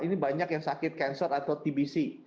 ini banyak yang sakit cancer atau tb c